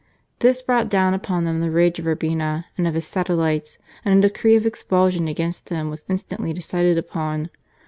This brought down upon them the rage of Urbina and of his satellites, and a decree of expul sion against them was instantly decided upon.